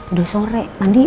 udah sore mandi yuk